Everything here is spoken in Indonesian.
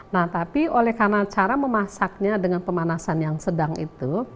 nah tapi oleh karena cara memasaknya dengan pemanasan yang sedang itu